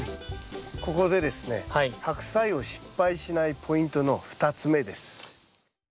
ここでですねハクサイを失敗しないポイントの２つ目です。